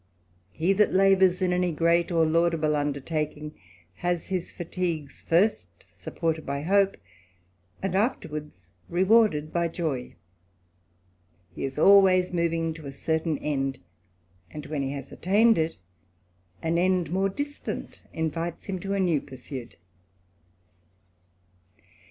He that labours in any great or laudable under taking has his fatigues first supported by hope, and ^erwards rewarded by joy ; he is always moving to a . certain end, and when he has attained it, an end more distant invites him to a new pursuit.